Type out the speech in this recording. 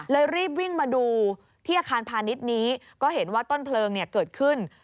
รีบวิ่งมาดูที่อาคารพาณิชย์นี้ก็เห็นว่าต้นเพลิงเกิดขึ้น